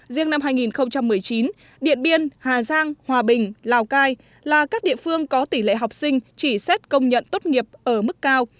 riêng năm hai nghìn một mươi chín điện biên hà giang hòa bình lào cai là các địa phương có tỷ lệ học sinh chỉ xét công nhận tốt nghiệp ở mức cao